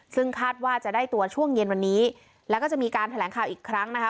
ซึ่งคาดว่าจะได้ตัวช่วงเย็นวันนี้แล้วก็จะมีการแถลงข่าวอีกครั้งนะคะ